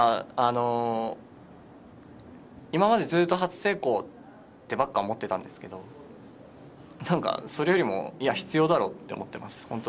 今まで、ずっと初成功とばっかり思ってたんですけど何か、それよりもいや、必要だろって思ってます。